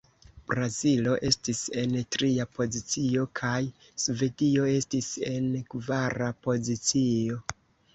Brazilo estis en tria pozicio, kaj Svedio estis en kvara pozicio.